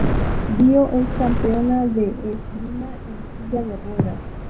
Vio es campeona de esgrima en silla de ruedas.